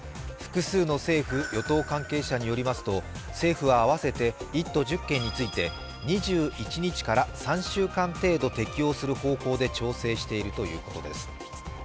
複数の政府・与党関係者によりますと、政府は合わせて１都３県に対して２１日から３週間程度適用する方向で調整しているということです。